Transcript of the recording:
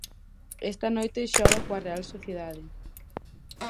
Esta noite xoga coa Real Sociedade.